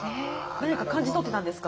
何か感じ取ってたんですか？